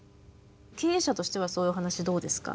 経営者としてはそういうお話どうですか？